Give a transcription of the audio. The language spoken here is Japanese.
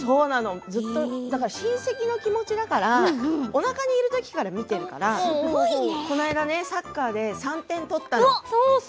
親戚の気持ちだからおなかにいる時から見ているからこの間サッカーで３点取ったの。